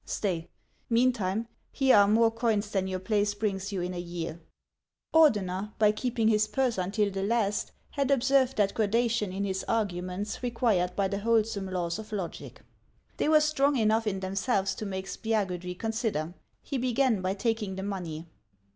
Stay ; meantime, here are more coins than your place brings you in a year." Ordeuer, by keeping his purse until the last, had ob served that gradation in his arguments required by the wholesome laws of logic. They were strong enough in themselves to make Spiagudry consider. He began by taking the money.